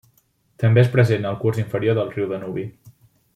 També és present al curs inferior del riu Danubi.